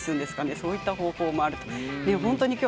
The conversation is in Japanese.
そういった方法もある。